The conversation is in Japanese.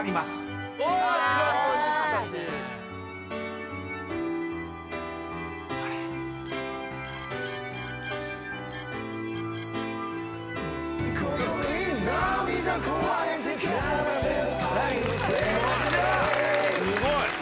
すごい！